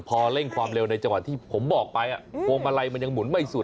พอเร่งความเร็วในจังหวัดที่ผมบอกไปพวงมาลัยมันยังหุ่นไม่สุด